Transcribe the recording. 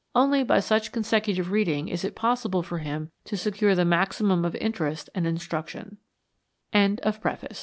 Only by such consecutive reading is it possible for him to secure the maximum of interest and instruc